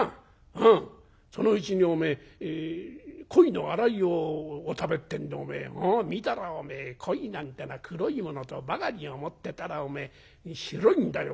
うんそのうちにおめえ『コイのあらいをお食べ』ってんで見たらおめえコイなんてのは黒いものとばかり思ってたら白いんだよ